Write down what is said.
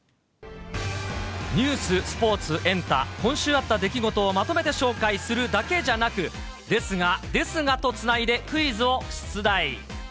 ニュース、スポーツ、エンタ、今週あった出来事をまとめて紹介するだけじゃなく、ですが、ですがとつないでクイズを出題。